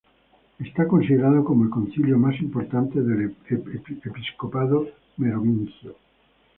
Es considerado como el concilio más importante del episcopado merovingio.